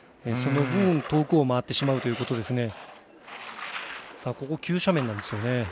その分、遠くを回ってしまうということです。